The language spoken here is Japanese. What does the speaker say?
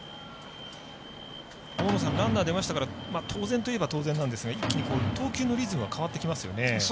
大野さん、ランナー出ましたから当然といえば当然なんですが一気に、投球のリズムは変わってきますよね。